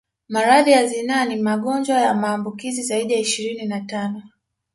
Maradhi ya zinaa ni magonjwa ya maambukizi zaidi ya ishirini na tano